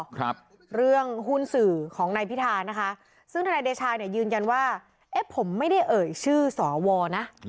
ครับเรื่องหุ้นสื่อของนายพิธานะคะซึ่งธนายเดชาเนี่ยยืนยันว่าเอ๊ะผมไม่ได้เอ่ยชื่อสอวรนะ